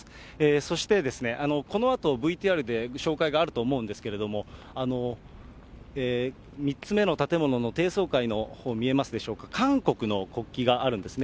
そして、このあとＶＴＲで紹介があると思うんですけれども、３つ目の建物の低層階のほう見えますでしょうか、韓国の国旗があるんですね。